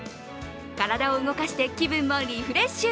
体を動かして気分もリフレッシュ。